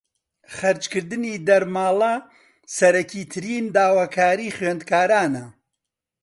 خەرجکردنی دەرماڵە سەرەکیترین داواکاریی خوێندکارانە